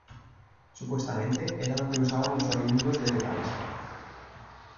Supuestamente, era lo que usaban los oriundos de la isla.